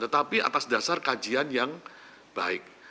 tetapi atas dasar kajian yang baik